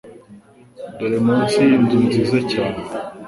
Dore Munsi yinzu nziza cyane